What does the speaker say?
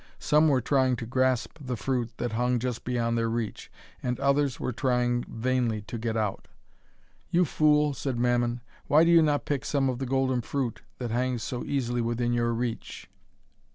Some were trying to grasp the fruit that hung just beyond their reach, and others were trying vainly to get out. 'You fool!' said Mammon, 'why do you not pick some of the golden fruit that hangs so easily within your reach?'